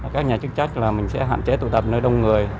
các nhà chức trách là mình sẽ hạn chế tụ tập nơi đông người